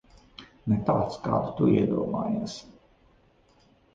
Ne tāds, kādu tu iedomājies.